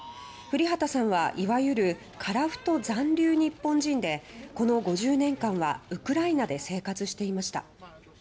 降籏さんはいわゆる樺太残留日本人でこの５０年間はウクライナで生活していました。